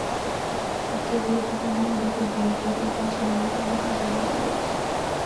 সবচেয়ে গুরুত্বপূর্ণ, আমাদের খুব ভালো পরিকল্পনা ছিল, যেটা আমরা কাজে লাগাতে পেরেছি।